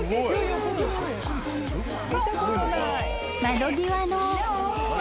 ［窓際の］